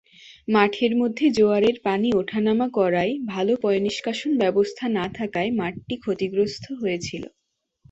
মাঠের মধ্যে জোয়ারের পানি ওঠা-নামা করায়, ভাল পয়ঃনিষ্কাশন ব্যবস্থা না থাকায় মাঠটি ক্ষতিগ্রস্ত হয়েছিল।